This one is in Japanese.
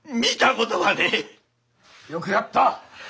よくやった！